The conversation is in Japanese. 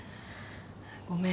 ごめん。